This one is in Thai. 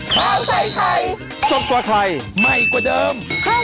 คุณแฟนคุณแฟน